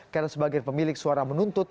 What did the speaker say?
karena sebagian pemilik suara menuntut